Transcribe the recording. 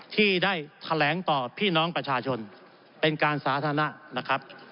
ที่ได้แถลงต่อพี่น้องประชาชนเป็นการสาธารณะนะครับ